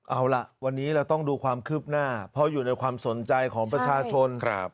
เอาล่ะวันนี้เราต้องดูความคืบหน้าเพราะอยู่ในความสนใจของประชาชน